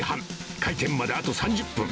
開店まであと３０分。